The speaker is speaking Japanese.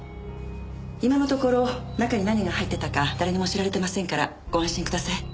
今のところ中に何が入ってたか誰にも知られてませんからご安心ください。